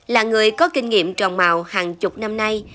là người có kinh nghiệm trồng màu hàng chục năm nay